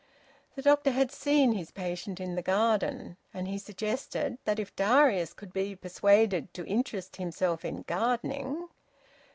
The doctor had seen his patient in the garden, and he suggested that if Darius could be persuaded to interest himself in gardening...